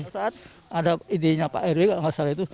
saat ada idenya pak rw kalau nggak salah itu